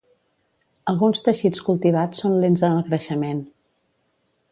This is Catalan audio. Alguns teixits cultivats són lents en el creixement.